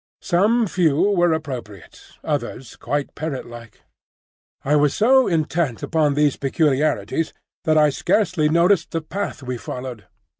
Some few were appropriate, others quite parrot like. I was so intent upon these peculiarities that I scarcely noticed the path we followed.